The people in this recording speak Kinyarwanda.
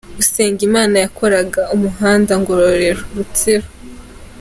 Usengimana yakoraga umuhanda Ngororero – Rutsiro.